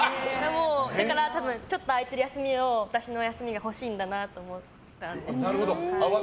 だから、多分ちょっと空いてる休みを私の休みが欲しいんだなって思ったんです。